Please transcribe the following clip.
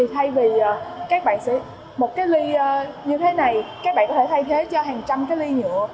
thay vì một ly như thế này các bạn có thể thay thế cho hàng trăm ly nhựa